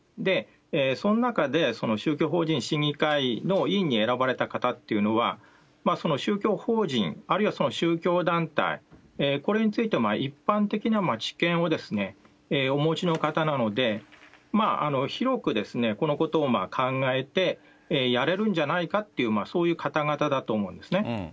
その中で宗教法人審議会の委員に選ばれた方っていうのは、その宗教法人、あるいはその宗教団体、これについて一般的な知見をお持ちの方なので、広くこのことを考えて、やれるんじゃないかっていう、そういう方々だと思うんですね。